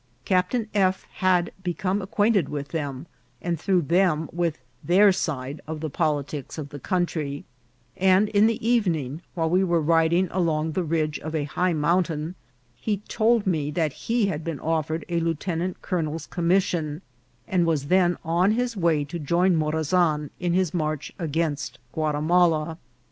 Captain F. had become acquainted with them, and through them with their side of the politics of the country ; and in the evening, while we were riding along the ridge of a high mountain, he told me that he had been offered a lieu tenant colonel's commission, and was then on his way to join Morazan in his march against Guatimala.